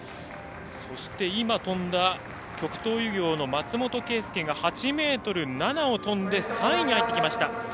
そして今、跳んだ極東油業の松本彗佑が８ｍ７を跳んで３位に入ってきました。